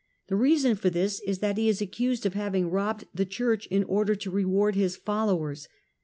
The reason for this is that Le is accused of having robbed the Church in order to eward his followers.